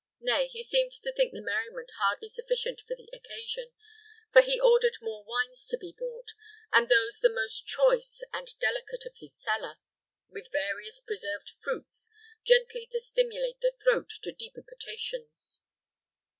Nay, he seemed to think the merriment hardly sufficient for the occasion; for he ordered more wines to be brought, and those the most choice and delicate of his cellar, with various preserved fruits, gently to stimulate the throat to deeper potations.